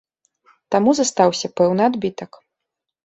Таму застаўся пэўны адбітак.